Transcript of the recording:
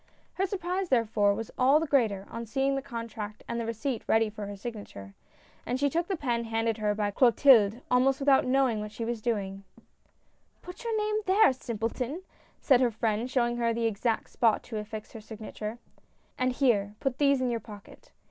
Her surprise, therefore, was all the greater, on seeing the contract and the receipt ready for her signature, and she took the pen handed her by Clotilde almost without knowing what she was doing. 102 SIGNING THE CONTRACT. " Put your name there, simpleton !" said her friend, showing her the exact spot to affix her signature, " and here, put these in your pocket."